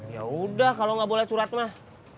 ya udah kalau nggak boleh curhat mah